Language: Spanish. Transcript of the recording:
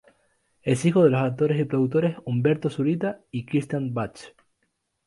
Es hijo de los actores y productores Humberto Zurita y Christian Bach.